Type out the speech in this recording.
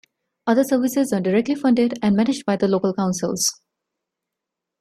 Other services are directly funded and managed by the local councils.